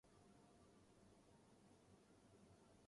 میرا جواب یہ ہو گا کہ میں صرف صوتی اثرات سے اندازہ کر رہا ہوں۔